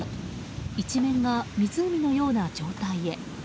一面が湖のような状態へ。